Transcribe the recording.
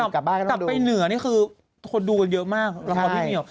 กลับไปเหนือนี่คือคนดูเยอะมากรับห่วงพี่เหมียว